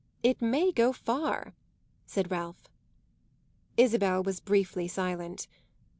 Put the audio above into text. It may go far," said Ralph. Isabel was briefly silent.